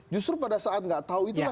justru pada saat gak tahu itu kan